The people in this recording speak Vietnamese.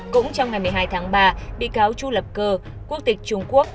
cũng trong ngày một mươi hai tháng ba bị cáo chu lập cơ quốc tịch trung quốc